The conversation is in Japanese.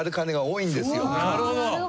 なるほど！